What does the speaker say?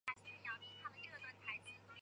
两位主要候选人都以雄厚资金启动竞选。